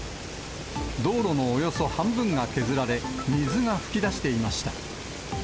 道路のおよそ半分が削られ、水が噴き出していました。